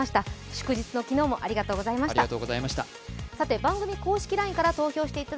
祝日の昨日もありがとうございました。